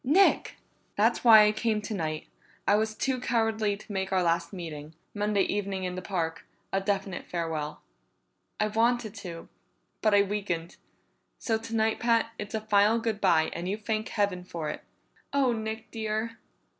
"Nick!" "That's why I came tonight. I was too cowardly to make our last meeting Monday evening in the park a definite farewell. I wanted to, but I weakened. So tonight, Pat, it's a final good bye, and you thank Heaven for it!" "Oh, Nick dear!"